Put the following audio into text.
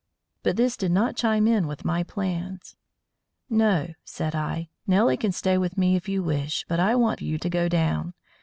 But this did not chime in with my plans. "No," said I. "Nellie can stay with me if you wish, but I want you to go down.